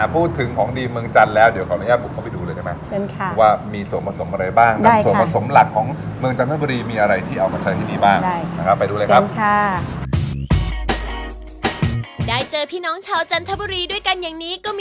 พูดถึงของดีเมืองจันทร์แล้วเดี๋ยวขออนุญาตบุกเข้าไปดูเลยได้ไหม